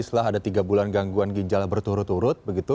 setelah ada tiga bulan gangguan ginjal berturut turut begitu